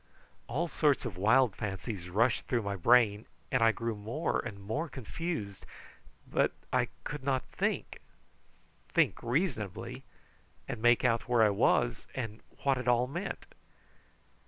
All sorts of wild fancies rushed through my brain, and I grew more and more confused; but I could not think think reasonably, and make out where I was and what it all meant.